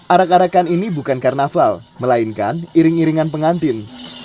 arak arakan ini bukan karnaval melainkan iring iringan pengantin